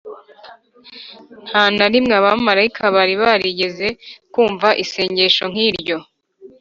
Nta na rimwe abamalayika bari barigeze kumva isengesho nk’iryo.